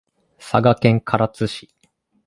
佐賀県唐津市